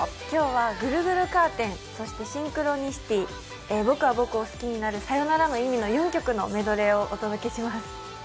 今日は「ぐるぐるカーテン」、そして「シンクロニシティ」、「僕は僕を好きになる」、「サヨナラの意味」の４曲のメドレーをお届けします。